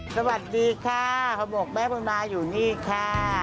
สวัสดีค่ะเขาบอกแม่บังนาอยู่นี่ค่ะ